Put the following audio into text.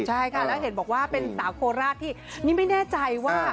ใช่ค่ะแล้วเห็นบอกว่าเป็นสาวโคราชที่นี่ไม่แน่ใจว่า